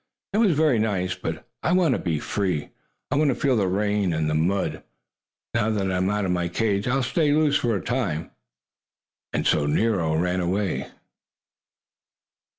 It was very nice, but I want to be free. I want to feel the rain and the mud. Now that I am out of my cage I'll stay loose for a time!" And so Nero ran away!